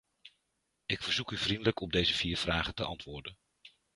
Ik verzoek u vriendelijk op deze vier vragen te antwoorden.